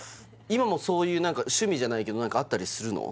今もそういう趣味じゃないけど何かあったりするの？